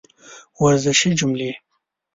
ورزشي جملې